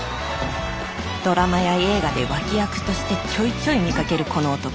ドラマや映画で脇役としてちょいちょい見かけるこの男。